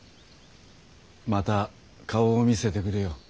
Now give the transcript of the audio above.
また顔を見せてくれよ。